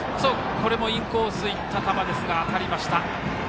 これもインコースの球が当たりました。